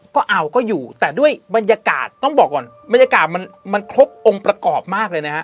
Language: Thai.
ก็เอาก็อยู่แต่ด้วยบรรยากาศต้องบอกก่อนบรรยากาศมันครบองค์ประกอบมากเลยนะฮะ